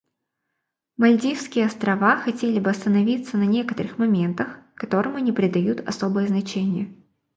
Мальдивские Острова хотели бы остановиться на некоторых моментах, которым они придают особое значение.